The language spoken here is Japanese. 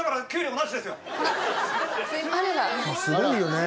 「すごいよね」